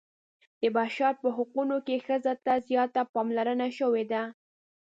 د بشر په حقونو کې ښځو ته زیاته پاملرنه شوې ده.